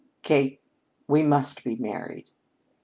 "Kate, we must be married."